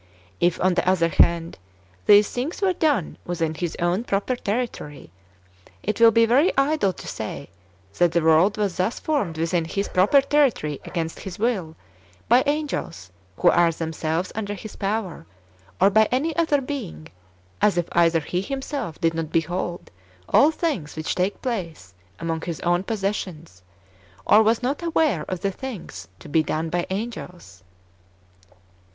If, on the other hand, [these things were done] within His own proper territory, it will be very idle to say that the world was thus formed within His proper territory against His will by angels who are themselves under His power, or by any other being, as if either He Himself did not behold all things which take place among His own possessions, or^ was not aw^are of the things to be done by ano; els.